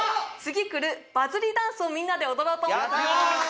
次くるバズりダンスをみんなで踊ろうと思います